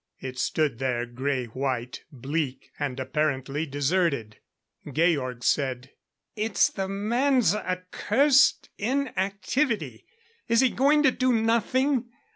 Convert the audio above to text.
It stood there grey white, bleak and apparently deserted. Georg said: "It's the man's accursed inactivity! Is he going to do nothing?...